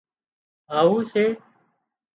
هاهو سي